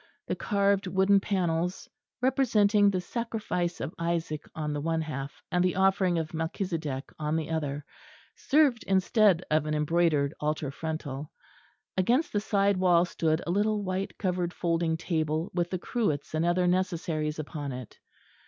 The carved wooden panels, representing the sacrifice of Isaac on the one half and the offering of Melchisedech on the other, served instead of an embroidered altar frontal. Against the side wall stood a little white covered folding table with the cruets and other necessaries upon it.